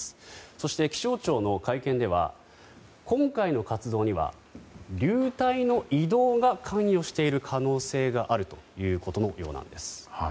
そして、気象庁の会見では今回の活動には流体の移動が関与している可能性があるということのようです。